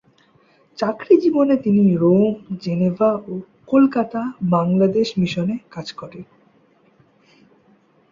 চাকরি জীবনে তিনি রোম, জেনেভা ও কলকাতা বাংলাদেশ মিশনে কাজ করেন।